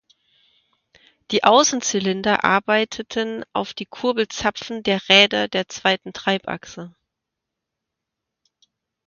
Die Außenzylinder arbeiteten auf die Kurbelzapfen der Räder der zweiten Treibachse.